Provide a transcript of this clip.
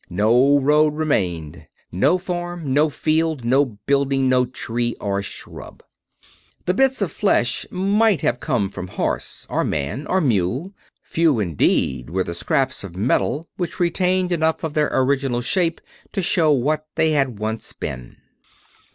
No road remained; no farm, no field, no building, no tree or shrub. The bits of flesh might have come from horse or man or mule; few indeed were the scraps of metal which retained enough of their original shape to show what they had once been.